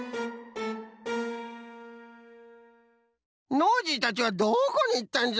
ノージーたちはどこにいったんじゃ？